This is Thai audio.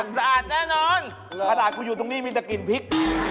ถ้าด่ายกูอยู่ตรงนี้มันจะกลิ่นพริก